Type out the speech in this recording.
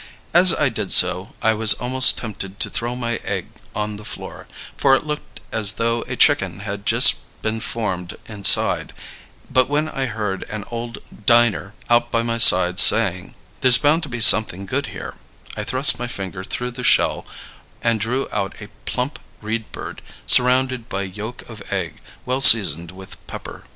As I did so, I was almost tempted to throw my egg on the floor, for it looked as though a chicken had just been formed inside; but when I heard an old diner out by my side saying: "There's bound to be something good here," I thrust my finger through the shell and drew out a plump reed bird, surrounded by yolk of egg, well seasoned with pepper.